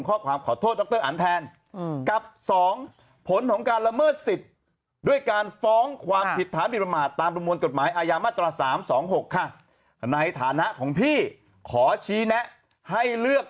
ตามประมวลกฎหมายอายะมาตรศาสตร์๓๒๖ค่ะในฐานะของพี่ขอชี้แนะให้เลือก